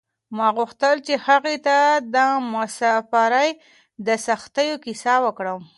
ما غوښتل چې هغې ته د مساپرۍ د سختیو کیسه وکړم.